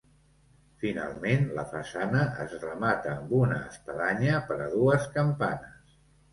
Finalment, la façana es remata amb una espadanya per a dues campanes.